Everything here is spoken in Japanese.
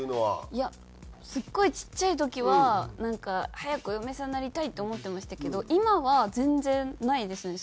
いやすごいちっちゃい時はなんか早くお嫁さんになりたいって思ってましたけど今は全然ないですね。